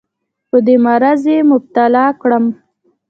په دې مرض یې مبتلا کړم.